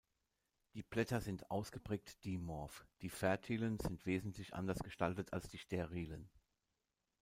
Die Blätter sind ausgeprägt dimorph: die fertilen sind wesentlich anders gestaltet als die sterilen.